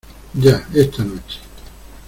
ya. esta noche .